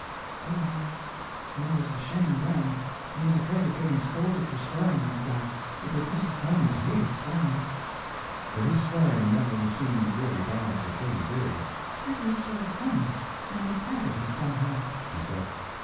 Oh, well, he was ashamed then, he was afraid of getting scolded for swearing like that, because Mrs. Clemens hated swearing." But his swearing never seemed really bad to Katy Leary, "It was sort of funny, and a part of him, somehow," she said.